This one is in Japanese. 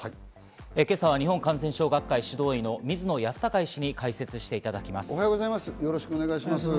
今朝は日本感染症学会・指導医の水野康孝医師に解説していただきます。